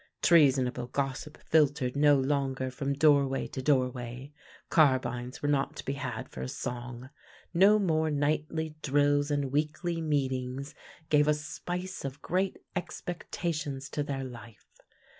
Treasonable gossip filtered no longer from doorway to doorway; carbines were not to be had for a song; no more nightly drills and weekly meetings gave a spice of great expectations to their life.